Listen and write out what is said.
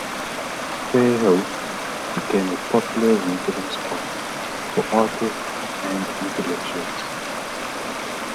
Fairhope became a popular wintering spot for artists and intellectuals.